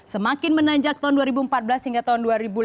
semakin menanjak tahun dua ribu empat belas hingga tahun dua ribu lima belas